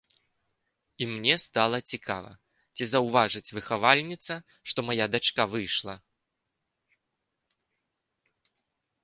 І мне стала цікава, ці заўважыць выхавальніца, што мая дачка выйшла.